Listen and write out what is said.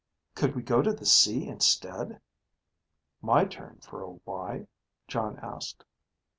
"Could we go to the sea instead?" "My turn for a 'why'?" Jon asked.